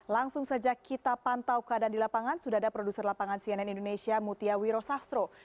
langsung saja kita pantau keadaan di lapangan sudah ada produser lapangan cnn indonesia mutia wiro sastro